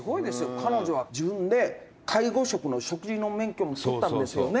彼女は自分で介護食の食事の免許も取ったんですよね？」